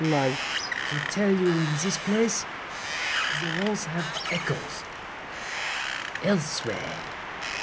[Low.] To tell you in this place— The walls have echoes—elsewhere.